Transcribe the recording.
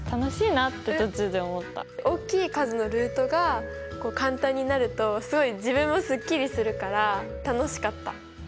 おっきい数のルートがこう簡単になると自分もすっきりするから楽しかった！